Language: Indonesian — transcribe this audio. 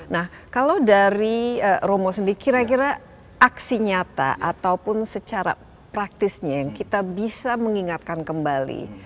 nah kalau dari romo sendiri kira kira aksi nyata ataupun secara praktisnya yang kita bisa mengingatkan kembali